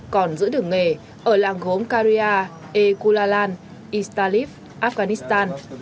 còn giữ được nghề ở làng gốm karya ekulalan iztalip afghanistan